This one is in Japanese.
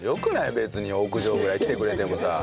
別に屋上ぐらい来てくれてもさ。